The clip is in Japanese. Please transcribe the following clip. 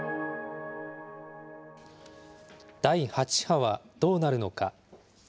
第８波はどうなるのか。